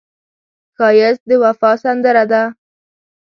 ښایست د وفا سندره ده